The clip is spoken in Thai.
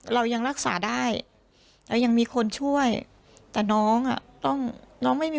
เรายังรักษาได้เรายังมีคนช่วยแต่น้องอ่ะต้องน้องไม่มี